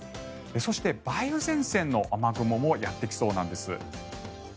そして、梅雨前線の雨雲もやってきそうなんです。